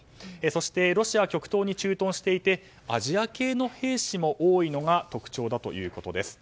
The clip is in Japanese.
そしてロシア極東に駐屯していてアジア系の兵士も多いのが特徴だということです。